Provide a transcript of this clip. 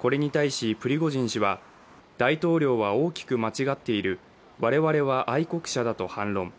これに対しプリゴジン氏は大統領は大きく間違っている、我々は愛国者だと反論。